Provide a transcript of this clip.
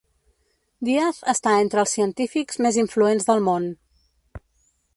Díaz està entre els científics més influents del món.